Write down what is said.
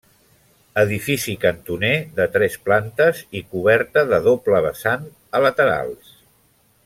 Edifici cantoner de tres plantes i coberta de doble vessant a laterals.